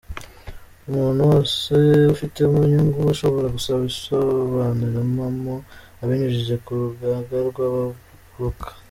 Umuntu wese ubifitemo inyungu ashobora gusaba isobanurampamo abinyujije ku Rugaga rw‟Abavoka”.